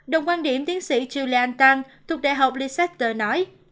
đồng quan điểm tiến sĩ julian tang thuộc đại học leicester nói